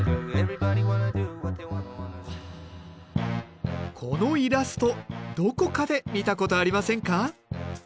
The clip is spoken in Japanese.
このイラストどこかで見たことありませんか？